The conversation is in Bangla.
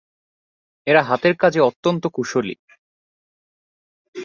এরা হাতের কাজে অত্যন্ত কুশলী।